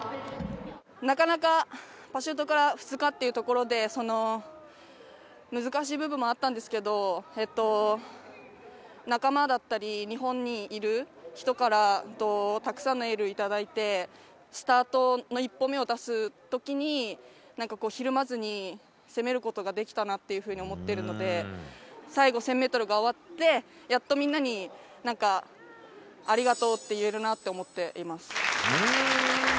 なかなかパシュートから２日っていうところで、その難しい部分もあったんですけど、仲間だったり、日本にいる人から、たくさんのエールを頂いて、スタートの一歩目を出すときに、なんかひるまずに、攻めることができたなっていうふうに思ってるので、最後１０００メートルが終わって、やっとみんなになんか、ありがとうって言えるなって思っています。